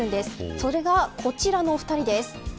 それがこちらの２人です。